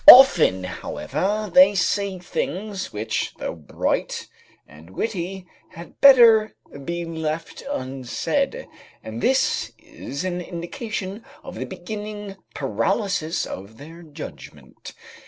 Often, however, they say things which though bright and witty had better be left unsaid, and this is an indication of the beginning paralysis of their judgment.